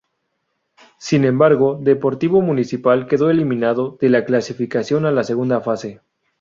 Sin embargo, Deportivo Municipal quedó eliminado de la clasificación a la segunda fase.